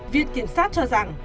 viện kiểm sát cho rằng